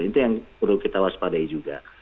itu yang perlu kita waspadai juga